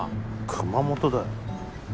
熊本だよ。